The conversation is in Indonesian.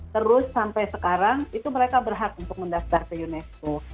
terus sampai sekarang itu mereka berhak untuk mendaftar ke unesco